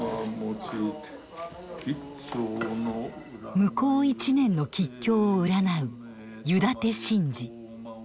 向こう一年の吉凶を占う「湯立て神事」。